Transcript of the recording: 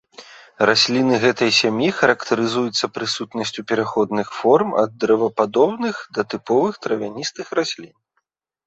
Расліны гэтай сям'і характарызуюцца прысутнасцю пераходных форм ад дрэвападобных да тыповых травяністых раслін.